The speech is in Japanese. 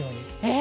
え！